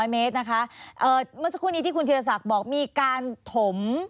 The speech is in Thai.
เมื่อสักครู่นี้ที่คุณธิรษัทบอกมีการถม